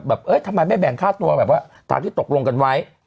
ทำไมไม่แบ่งค่าตัวแบบว่าตามที่ตกลงกันไว้